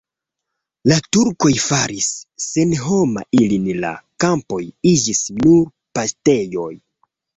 La turkoj faris senhoma ilin, la kampoj iĝis nur paŝtejoj.